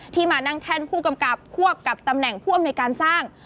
มานั่งแท่นผู้กำกับควบกับตำแหน่งผู้อำนวยการสร้าง